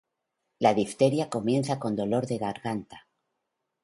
La difteria comienza con dolor de garganta